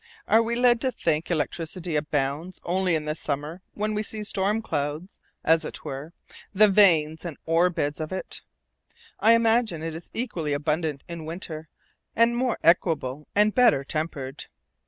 Are we led to think electricity abounds only in the summer when we see storm clouds, as it were, the veins and ore beds of it? I imagine it is equally abundant in winter, and more equable and better tempered.